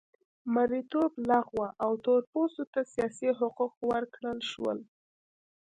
مریتوب لغوه او تور پوستو ته سیاسي حقوق ورکړل شول.